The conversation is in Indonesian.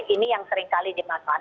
ini yang seringkali dimaksud